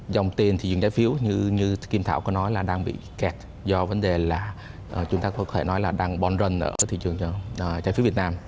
dòng tiền thì dùng trái phiếu như kim thảo có nói là đang bị kẹt do vấn đề là chúng ta có thể nói là đang bón rần ở thị trường trái phiếu việt nam